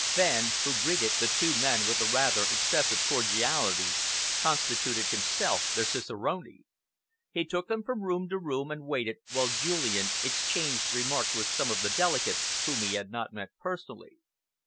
Fenn, who greeted the two men with a rather excessive cordiality, constituted himself their cicerone. He took them from room to room and waited while Julian exchanged remarks with some of the delegates whom he had not met personally.